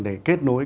để kết nối